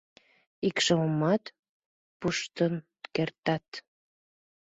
Икшывымат пуштын кертат!